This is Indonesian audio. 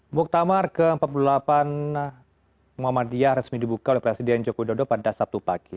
muktamar ke empat puluh delapan muhammadiyah resmi dibuka oleh presiden joko widodo pada sabtu pagi